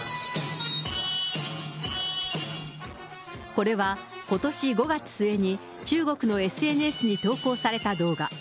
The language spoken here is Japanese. これは、ことし５月末に、中国のＳＮＳに投稿された動画。